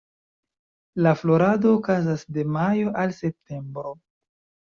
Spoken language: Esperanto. La florado okazas de majo al septembro.